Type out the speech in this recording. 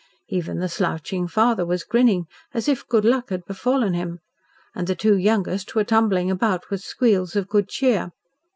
Even the slouching father was grinning, as if good luck had befallen him, and the two youngest were tumbling about with squeals of good cheer.